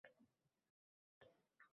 Bolam sho‘rlik boshidan bo‘sh bo‘ldi